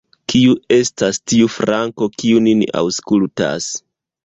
Kiu estas tiu _Franko_, kiu nin aŭskultas?